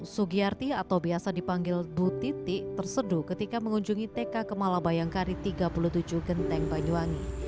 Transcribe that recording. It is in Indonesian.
sugiyarti atau biasa dipanggil bu titi terseduh ketika mengunjungi tk kemala bayangkari tiga puluh tujuh genteng banyuwangi